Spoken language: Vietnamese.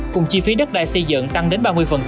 cùng chi phí đất đai xây dựng tăng đến ba mươi